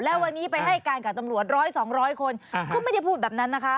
แล้ววันนี้ไปให้การกับตำรวจร้อยสองร้อยคนเขาไม่ได้พูดแบบนั้นนะคะ